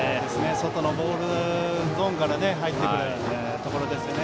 外のボールゾーンから入っていくところですね。